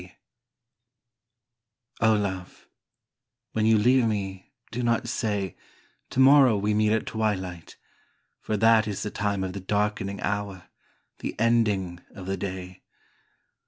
B.) O Love, when you leave me do not say: "Tomorrow we meet at twilight" For that is the time of the darkening hour, The ending of the day.